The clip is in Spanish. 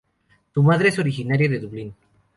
Su madre es originaria de Dublín.